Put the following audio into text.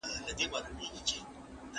تاریخ تحریفول د نسلونو سره خیانت دی.